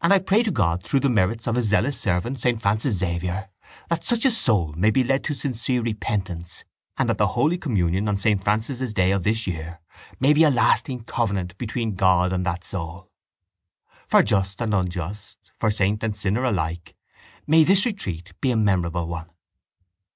I pray to God through the merits of His zealous servant Francis Xavier, that such a soul may be led to sincere repentance and that the holy communion on saint Francis's day of this year may be a lasting covenant between God and that soul. For just and unjust, for saint and sinner alike, may this retreat be a memorable one.